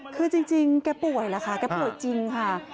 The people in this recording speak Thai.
คือจริงแกป่วยล่ะค่ะแกป่วยจริงค่ะ